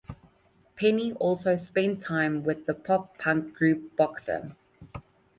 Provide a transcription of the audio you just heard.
Pennie also spent time with the pop-punk group Boxer.